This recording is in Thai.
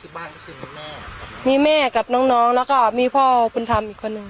บ้านก็คือคุณแม่มีแม่กับน้องน้องแล้วก็มีพ่อบุญธรรมอีกคนนึง